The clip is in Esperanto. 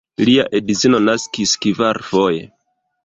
Lia edzino naskis kvarfoje.